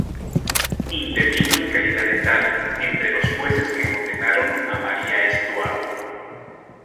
Intervino en calidad de tal entre los jueces que condenaron a María Estuardo.